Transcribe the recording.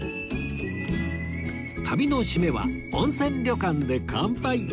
旅の締めは温泉旅館で乾杯